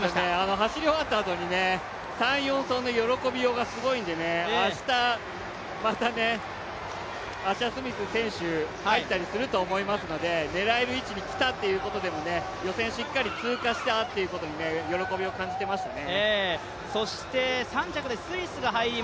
走り終わったあとに、３、４走の喜びようがすごいんで、明日、またアッシャースミス選手入ったりすると思いますので狙える位置に来たっていう意味でも予選しっかり通過したってことに喜びを感じていましたね。